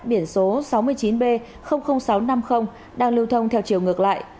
biển số sáu mươi chín b sáu trăm năm mươi đang lưu thông theo chiều ngược lại